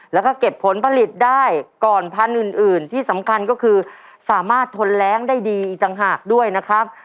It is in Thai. แล้วก็เก็บผลผลิตได้ก่อนพันธุ์อื่นที่สำคัญก็คือสามารถทนแรงได้ดีอีกต่างหากด้วยนะครับ